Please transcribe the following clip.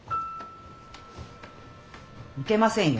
いけませんよ。